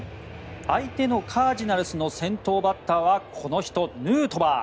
相手のカージナルスの先頭バッターはこの人、ヌートバー。